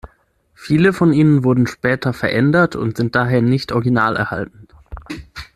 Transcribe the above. Viele von ihnen wurden später verändert und sind daher nicht original erhalten.